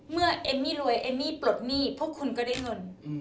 เอมมี่รวยเอมมี่ปลดหนี้พวกคุณก็ได้เงิน